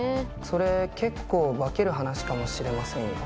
それ結構化ける話かもしれませんよ。